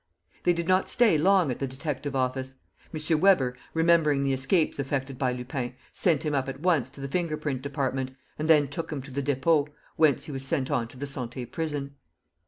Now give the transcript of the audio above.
They did not stay long at the detective office. M. Weber, remembering the escapes effected by Lupin, sent him up at once to the finger print department and then took him to the Dépôt, whence he was sent on to the Santé Prison.